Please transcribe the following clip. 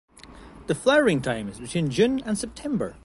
The flowering time is between June and September.